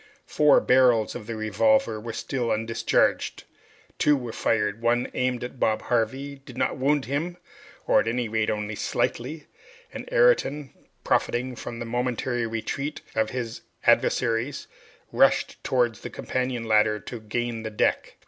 Four barrels of the revolver were still undischarged. Two were fired one, aimed at Bob Harvey, did not wound him, or at any rate only slightly, and Ayrton, profiting by the momentary retreat of his adversaries, rushed towards the companion ladder to gain the deck.